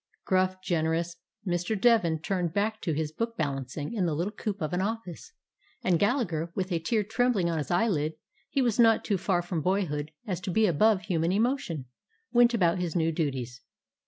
Gruff, generous Mr. Devin turned back to his book balancing in the little coop of an office, and Gallagher, with a tear trembling on his eyelid, — he was not so far from boyhood as to be above human emotion, — went about his new duties.